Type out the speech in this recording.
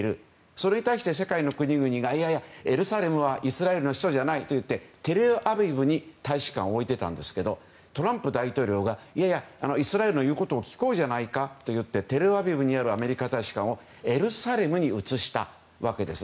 それに対して世界の国々がエルサレムはイスラエルの首都じゃないといってテルアビブに大使館を置いてたんですけどトランプ大統領がいやいやイスラエルの言うことを聞こうじゃないかと言ってテルアビブにあるアメリカ大使館をエルサレムに移したわけです。